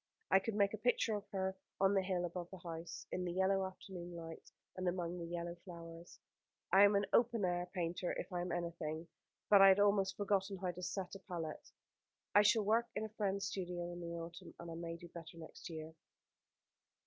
I could make a picture of her on the hill above the house, in the yellow afternoon light, and among the yellow flowers. I am an open air painter if I am anything; but I had almost forgotten how to set a palette. I shall work in a friend's studio in the autumn, and I may do better next year."